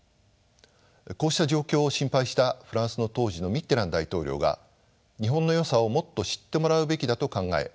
こうした状況を心配したフランスの当時のミッテラン大統領が日本のよさをもっと知ってもらうべきだと考え